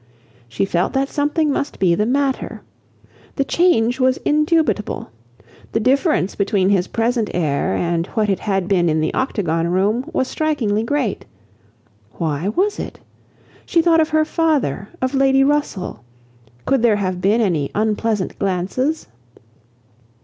She felt that something must be the matter. The change was indubitable. The difference between his present air and what it had been in the Octagon Room was strikingly great. Why was it? She thought of her father, of Lady Russell. Could there have been any unpleasant glances?